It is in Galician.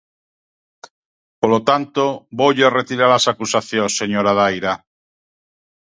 Polo tanto, voulle retirar as acusacións, señora Daira.